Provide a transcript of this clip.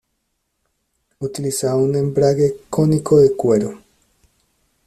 Utilizaba un embrague cónico de cuero.